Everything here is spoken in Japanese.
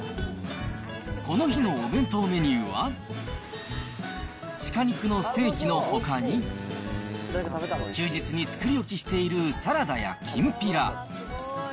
この日のお弁当メニューは、シカ肉のステーキのほかに、休日に作り置きしているサラダやきんぴら。